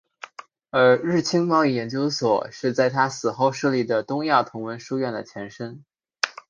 而日清贸易研究所是在他死后设立的东亚同文书院的前身。